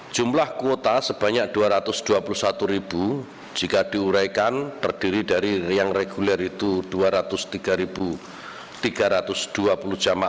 jumlah kuota sebanyak rp dua ratus dua puluh satu jika diuraikan terdiri dari yang reguler itu rp dua ratus tiga tiga ratus dua puluh jemaah